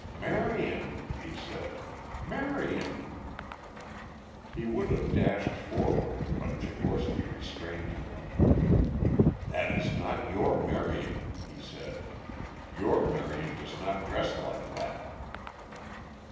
"Marion," he said. "Marion." He would have dashed forward, but Tchigorsky restrained him. "That is not your Marion," he said. "Your Marion does not dress like that."